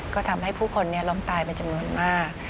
ก็ทำให้ผู้คนล้มตายมาจำนวนมาก